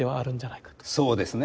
そうですね。